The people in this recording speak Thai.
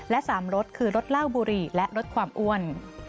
และ๓ลดคือลดรากบุรีและลดความอ้วน